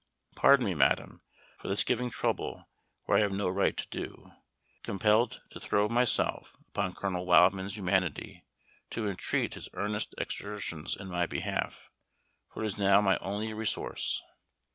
Pardon me, madam, for thus giving trouble, where I have no right to do compelled to throw myself upon Colonel Wildman's humanity, to entreat his earnest exertions in my behalf, for it is now my only resource.